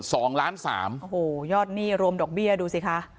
สองล้านสามโอ้โหยอดหนี้รวมดอกเบี้ยดูสิคะ